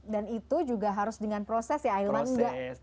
dan itu juga harus dengan proses ya ilman